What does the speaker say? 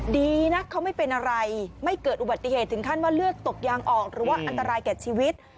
ดีนะเขาไม่เป็นอะไรไม่เกิดอุบัติเหตุถึงขั้นว่าเลือดตกยางออกหรือว่าอันตรายแก่ชีวิต